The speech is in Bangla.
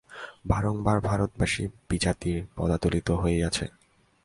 বারংবার ভারতবাসী বিজাতির পদদলিত হইয়াছে।